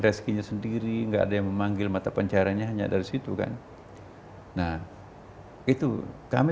reskinya sendiri enggak ada yang memanggil mata pencariannya hanya dari situ kan nah itu kami